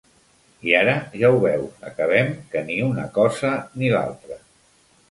I ara, ja ho veus, acabem que ni una cosa ni l'altra.